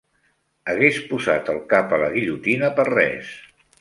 Hagués posat el cap a la guillotina per res.